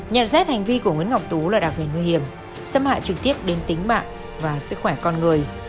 nhận xét hành vi của nguyễn ngọc tú là đặc biệt nguy hiểm xâm hại trực tiếp đến tính mạng và sức khỏe con người